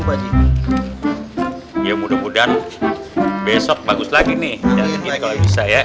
ya ya ya ya mudah mudahan besok bagus lagi nih kalau bisa ya